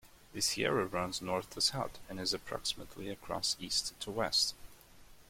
The Sierra runs north-to-south, and is approximately across east-to-west.